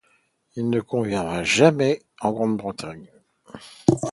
Il ne reviendra jamais en Grande-Bretagne.